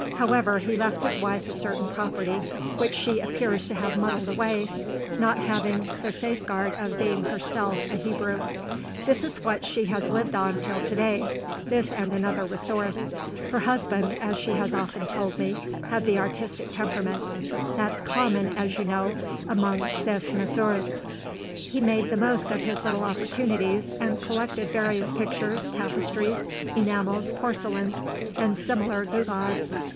However, he left his wife a certain property, which she appears to have muddled away, not having the safeguard of being herself a Hebrew. This is what she has lived on till to day this and another resource. Her husband, as she has often told me, had the artistic temperament: that's common, as you know, among ces messieurs. He made the most of his little opportunities and collected various pictures, tapestries, enamels, porcelains, and similar gewgaws.